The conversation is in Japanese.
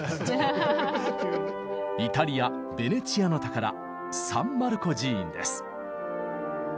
イタリアベネチアの宝サン・マルコ寺院です。